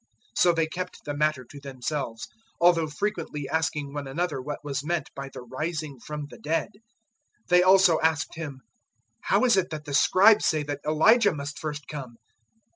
009:010 So they kept the matter to themselves, although frequently asking one another what was meant by the rising from the dead. 009:011 They also asked Him, "How is it that the Scribes say that Elijah must first come?"